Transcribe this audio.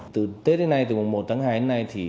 từ tết đến nay từ mùa một tháng hai đến nay thì